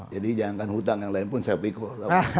jadi jangan hutang yang lain pun saya pikul